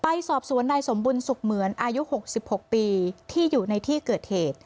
ไปสอบสวนนายสมบุญสุขเหมือนอายุ๖๖ปีที่อยู่ในที่เกิดเหตุ